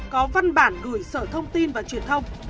có văn bản gửi sở thông tin và truyền thông